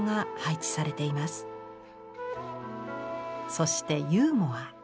そしてユーモア。